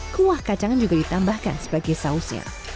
kuah kacangan juga ditambahkan sebagai sausnya